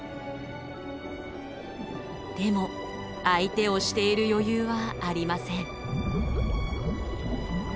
でも相手をしている余裕はありません。